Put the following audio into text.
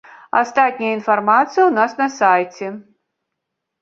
Астатняя інфармацыя ў нас на сайце.